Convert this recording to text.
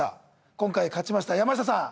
今回勝ちました山下さん